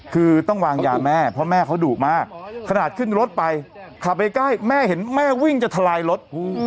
คือต้องวางยาแม่เพราะแม่เขาดุมากขนาดขึ้นรถไปขับใกล้แม่เห็นแม่วิ่งจะทลายรถ